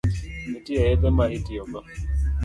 Nitie yedhe ma itiyogo?